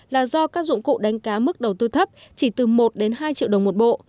là do các dụng cụ đánh cá mức đầu tư thấp chỉ từ một đến hai triệu đồng một bộ